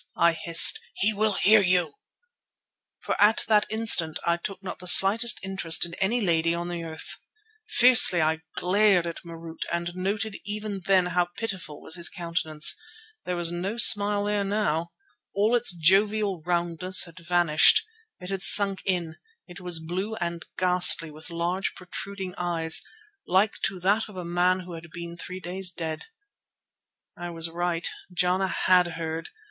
I hissed. "He will hear you," for at that instant I took not the slightest interest in any lady on the earth. Fiercely I glared at Marût and noted even then how pitiful was his countenance. There was no smile there now. All its jovial roundness had vanished. It had sunk in; it was blue and ghastly with large, protruding eyes, like to that of a man who had been three days dead. I was right—Jana had heard.